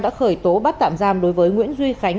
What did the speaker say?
đã khởi tố bắt tạm giam đối với nguyễn duy khánh